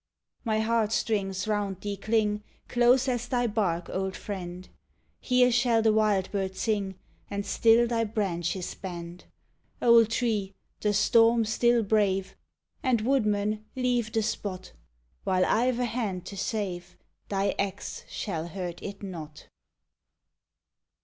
My heart strings round thee cling, Close as thy bark, old friend ! ABOUT CHILDREN. Here shall the wild bird sing, Aud still thy branches beud. Old tree! the storm still brave! And, woodman, leave the spot; While I 've a hand to save. Thy axe shall hurt it not.